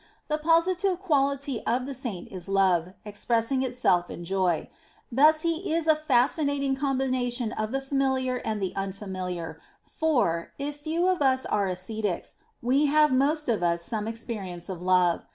The positive quality of the Saint is love, expressing itself in joy. Thus he is a fascinating combination of the familiar and the un familiar, for, if few of us are ascetics, we have most of us some experience of love.